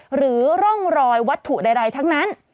หรือร่องรอยวัตถุใดทั้งนั้น